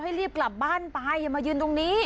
รีบกลับบ้านไปอย่ามายืนตรงนี้